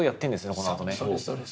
このあとね。